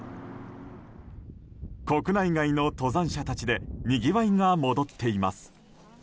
国内外の登山者たちでにぎわいが戻っています。